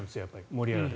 盛り上がる。